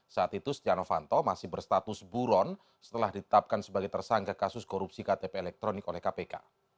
saat itu stiano fanto masih berstatus buron setelah ditetapkan sebagai tersangka kasus korupsi ktp elektronik oleh kpk